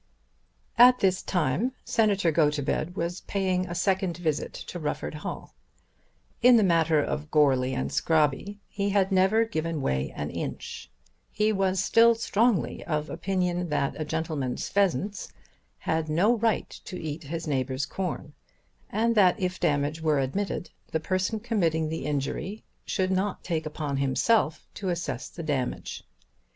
At this time Senator Gotobed was paying a second visit to Rufford Hall. In the matter of Goarly and Scrobby he had never given way an inch. He was still strongly of opinion that a gentleman's pheasants had no right to eat his neighbour's corn, and that if damage were admitted, the person committing the injury should not take upon himself to assess the damage.